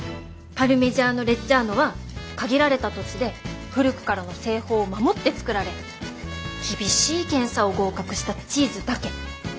パルミジャーノ・レッジャーノは限られた土地で古くからの製法を守って作られ厳しい検査を合格したチーズだけ。